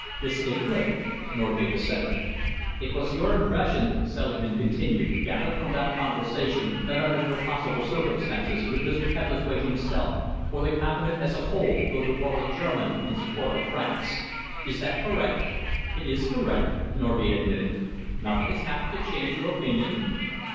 "Distinctly," Norgate assented. "It was your impression," Selingman continued, "gathered from that conversation, that under no possible circumstances would Mr. Hebblethwaite himself, or the Cabinet as a whole, go to war with Germany in support of France. Is that correct?" "It is correct," Norgate admitted. "Nothing has happened to change your opinion?"